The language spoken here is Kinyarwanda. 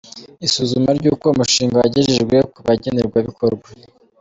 Isuzuma ry’uko umushinga wagejejwe ku bagenerwabikorwa.